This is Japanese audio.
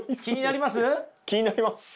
気になります？